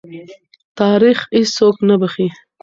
تاریخ هېڅوک نه بخښي.